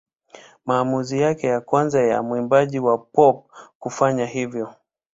Maamuzi yake ya kwanza ya mwimbaji wa pop kufanya hivyo.